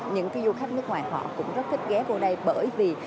những cái du khách nước ngoài họ cũng rất thích ghé vô đây bởi vì